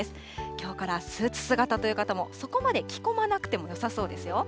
きょうからスーツ姿という方も、そこまで着込まなくてもよさそうですよ。